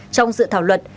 trong dự thảo luật